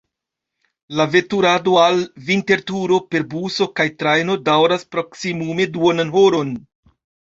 La veturado al Vinterturo per buso kaj trajno daŭras proksimume duonan horon.